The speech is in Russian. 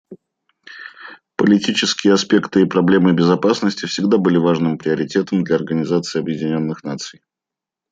Политические аспекты и проблемы безопасности всегда были важным приоритетом для Организации Объединенных Наций.